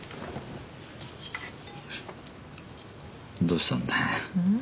どうしたんだよ